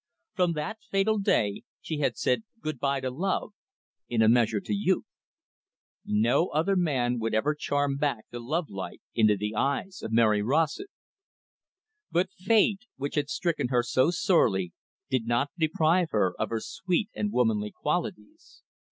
From that fatal day, she had said good bye to love, in a measure to youth. No other man would ever charm back the lovelight into the eyes of Mary Rossett. But fate, which had stricken her so sorely, did not deprive her of her sweet and womanly qualities.